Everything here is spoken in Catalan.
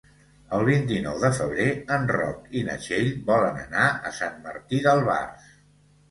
El vint-i-nou de febrer en Roc i na Txell volen anar a Sant Martí d'Albars.